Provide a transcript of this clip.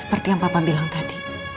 seperti yang papa bilang tadi